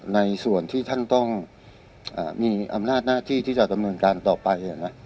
ในส่วนที่ท่านต้องมีอำนาจหน้าที่ที่จะดำเนินการต่อไป